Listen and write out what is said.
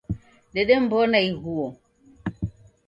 Dedemw'ona ighuo.